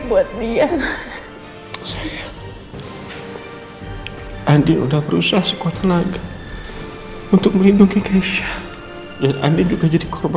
buat dia saya andi udah berusaha sekuat tenaga untuk melindungi keisha dan andi juga jadi korban